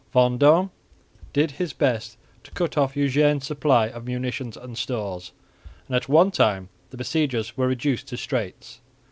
Vendôme did his best to cut off Eugene's supplies of munitions and stores, and at one time the besiegers were reduced to straits.